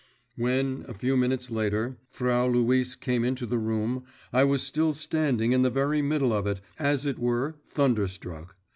… When, a few minutes later, Frau Luise came into the room I was still standing in the very middle of it, as it were, thunderstruck.